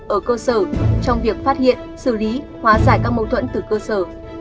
ở cơ sở trong việc phát hiện xử lý hóa giải các mâu thuẫn từ cơ sở